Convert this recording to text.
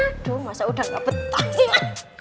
aduh masa udah gak petah sih